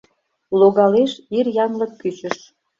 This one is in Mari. Логалеш ир янлык кӱчыш».